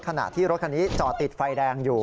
ขณะที่รถคันนี้จอดติดไฟแดงอยู่